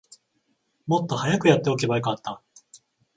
もっと早くやっておけばよかった